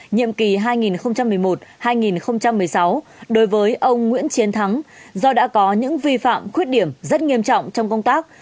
nhiệm kỳ hai nghìn một mươi một hai nghìn một mươi sáu đối với ông nguyễn chiến thắng do đã có những vi phạm khuyết điểm rất nghiêm trọng trong công tác